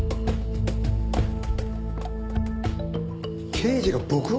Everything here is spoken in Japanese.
刑事が僕を！？